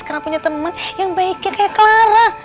karena punya teman yang baiknya kayak clara